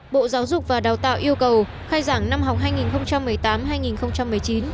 bộ giáo dục và đào tạo yêu cầu khai giảng năm học hai nghìn một mươi tám hai nghìn một mươi chín